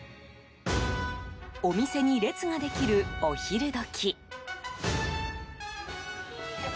お店に列ができるお昼時。